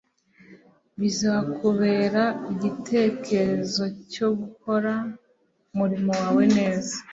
Bizakubera igitekerezocyo gukora umurimo wawe neza